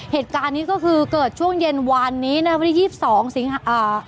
เหตุการณ์นี้ก็คือเกิดช่วงเย็นวันนี้๒๒สิงหา